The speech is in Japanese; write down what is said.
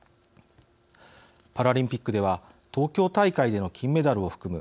パラリンピックでは東京大会での金メダルを含む